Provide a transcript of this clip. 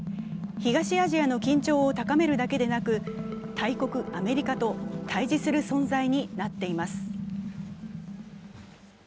東アジアの緊張を高めるだけでなく大国アメリカと対峙する存在になっています。